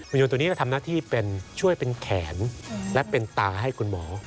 โยนตัวนี้ก็ทำหน้าที่เป็นช่วยเป็นแขนและเป็นตาให้คุณหมอ